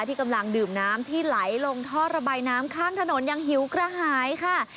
ที่กำลังดื่มน้ำที่ไหลลงท่อระบายน้ำข้างถนนยังหิวกระหายค่ะ